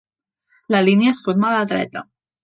La línia es forma a la dreta.